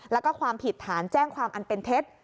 แล้วก็ความผิดฐานแจ้งความอันเป็นเท็จ